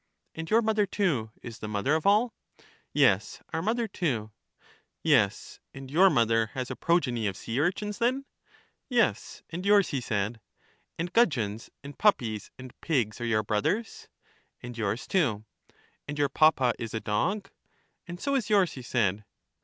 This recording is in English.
And your mother, too, is the mother of all? Yes, our mother too. Yes ; and your mother has a progeny of sea urchins then? Yes ; and yours, he said. And gudgeons and puppies and pigs are your brothers. And yours too. And your papa is a dog. And so is yours, he said.